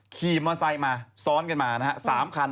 ขี่มอไซค์มาซ้อนกันมานะฮะ๓คัน